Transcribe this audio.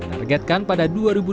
targetkan pada dua ribu dua puluh